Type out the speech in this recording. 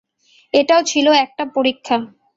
এটাও ছিল একটা পরীক্ষা।